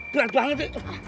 berat banget nih